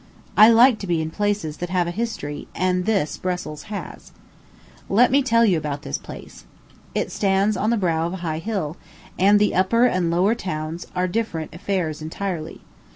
I like to be in places that have a history; and this Brussels has. Let me tell you about this place. It stands on the brow of a high bill, and the upper and lower towns are different affairs entirely.